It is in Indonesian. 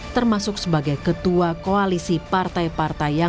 termasuk sebagai ketua koalisi pertama